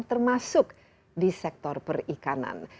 termasuk di sektor perikanan